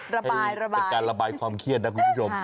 ระบายระบายเป็นการระบายความเครียดนะคุณผู้ชม